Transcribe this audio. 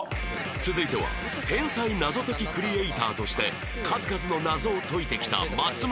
続いては天才謎解きクリエイターとして数々の謎を解いてきた松丸亮吾